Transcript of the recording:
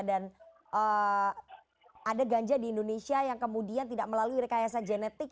dan ada ganja di indonesia yang kemudian tidak melalui rekayasa genetik